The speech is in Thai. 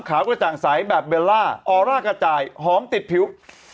๑๒๓ขาวกระจ่างใสแบบเวลาออร่ากระจ่ายหอมติดผิว